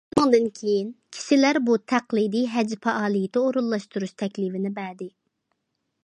شۇنىڭدىن كېيىن كىشىلەر بۇ تەقلىدىي ھەج پائالىيىتى ئورۇنلاشتۇرۇش تەكلىپىنى بەردى.